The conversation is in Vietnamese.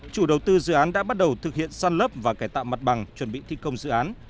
chủ đầu tư dự án đã bắt đầu thực hiện săn lấp và cải tạo mặt bằng chuẩn bị thi công dự án